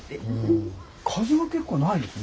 風は結構ないですね。